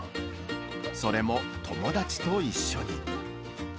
それも友達と一緒に。